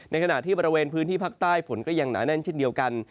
ขณะที่บริเวณพื้นที่ภาคใต้ฝนก็ยังหนาแน่นเช่นเดียวกัน